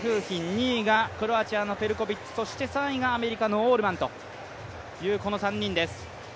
２位がクロアチアのペルコビッチそして３位がアメリカのオールマンというこの３人です。